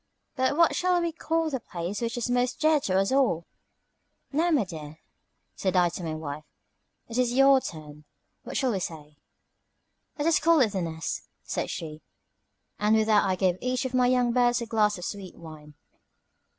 "But what shall we call the place which is most dear to us all?" "Now, my dear," said I to my wife, "it is your turn. What shall we say?" "Let us call it The Nest," said she; and with that I gave each of my young birds a glass of sweet wine.